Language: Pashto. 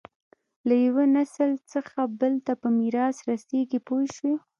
له یوه نسل څخه بل ته په میراث رسېږي پوه شوې!.